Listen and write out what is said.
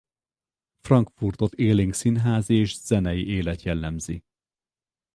Frankfurtot élénk színházi és zenei élet jellemzi.